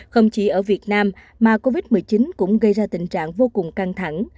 không chỉ ở việt nam mà covid một mươi chín cũng gây ra tình trạng vô cùng căng thẳng